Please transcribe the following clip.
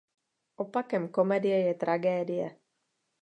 Opakem komedie je tragédie.